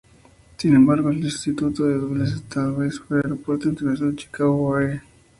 Sin embargo, el sustituto de Dulles esta vez fue el Aeropuerto Internacional Chicago-O'Hare.